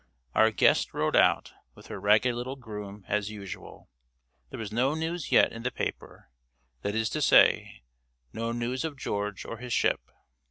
Our guest rode out, with her ragged little groom, as usual. There was no news yet in the paper that is to say, no news of George or his ship.